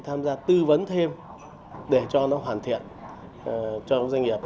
tham gia tư vấn thêm để cho nó hoàn thiện cho doanh nghiệp